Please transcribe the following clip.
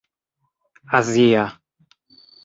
azia